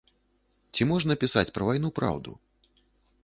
Ці можна пісаць пра вайну праўду?